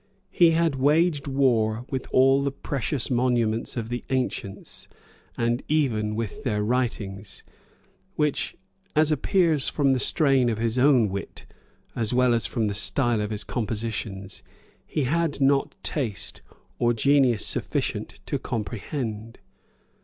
He had waged war with all the precious monuments of the ancients, and even with their writings, which, as appears from the strain of his own wit, as well as from the style of his compositions, he had not taste or genius sufficient to comprehend.